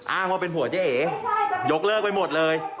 อ้างว่าเป็นผัวเจ๊เอยกเลิกไปหมดเลย